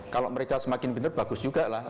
kalau mereka semakin benar bagus juga lah